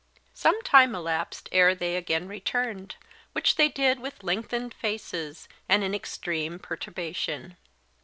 Some time elapsed ere they again returned, which they did with lengthened faces, and in extreme perturbation.